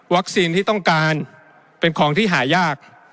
ที่ต้องการเป็นของที่หายาก